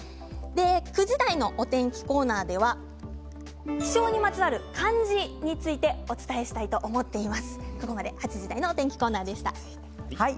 ９時台のお天気コーナーでは気象にまつわる漢字についてお伝えしたいと思います。